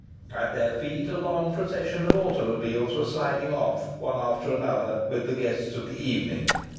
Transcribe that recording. At their feet a long procession of automobiles were sliding off, one after another, with the guests of the evening.